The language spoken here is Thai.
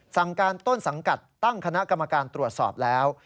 สั่งการต้นสังกัดตั้งคณะกรรมการตรวจสอบแล้ว